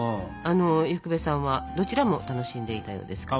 伊福部さんはどちらも楽しんでいたようですから。